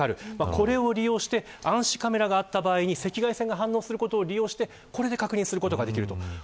これを利用して暗視カメラがあった場合に赤外線が反応することを利用してこれで確認することができると。